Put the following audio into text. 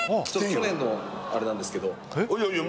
去年のあれなんですけどいやいや